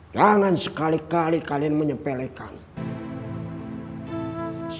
jangan sekali kali kalian menyepelek kami